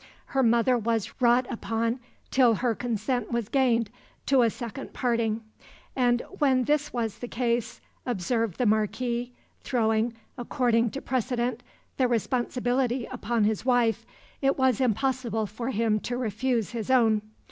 Her mother was wrought upon till her consent was gained to a second parting; and when this was the case, observed the marquis, throwing, according to precedent, the responsibility upon his wife, it was impossible for him to refuse his own.